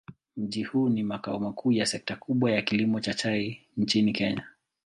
Mji huu ni makao makuu ya sekta kubwa ya kilimo cha chai nchini Kenya.